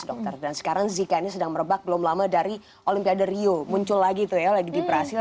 dan sekarang zika ini sedang merebak belum lama dari olimpiade rio muncul lagi itu ya lagi di brazil